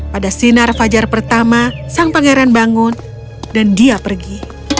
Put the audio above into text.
pada sinar fajar pertama sang pangeran bangun dan dia pergi